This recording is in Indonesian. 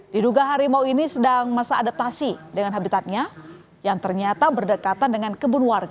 diduga harimau ini sedang masa adaptasi dengan habitatnya yang ternyata berdekatan dengan kebun warga